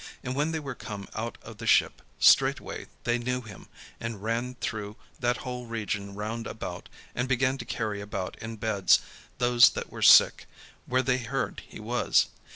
And when they were come out of the ship, straightway they knew him, and ran through that whole region round about, and began to carry about in beds those that were sick, where they heard he was.